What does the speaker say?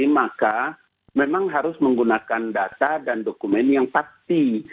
maka memang harus menggunakan data dan dokumen yang pasti